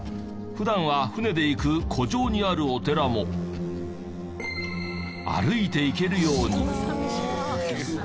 普段は船で行く湖上にあるお寺も歩いて行けるように。